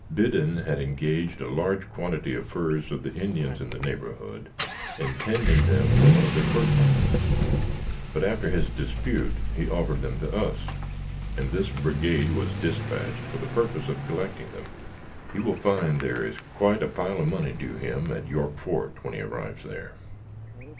Biddon had engaged a large quantity of furs of the Indians in the neighborhood, intending them for one of their fur companies, but after his dispute he offered them to us, and this brigade was dispatched for the purpose of collecting them. He will find there is quite a pile of money due him at York fort when he arrives there."